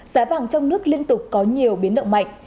giá vàng trong nước liên tục có nhiều biến động mạnh